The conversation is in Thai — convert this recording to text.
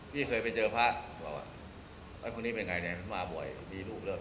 พี่เคยไปเจอพระบอกว่าพวกนี้เป็นไงมาบ่อยมีลูกเริ่ม